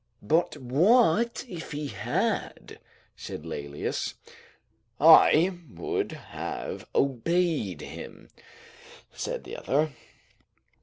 "But what if he had?" said Laelius. "I would have obeyed him," said the other.